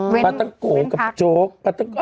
ปลาต๊งโกะกับโจ๊กปลาต๊งโกะยะ